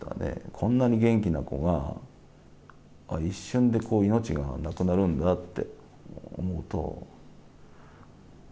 こんなに元気な子が、一瞬でこう、命がなくなるんだって思うと。